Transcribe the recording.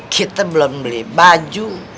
kita belum beli baju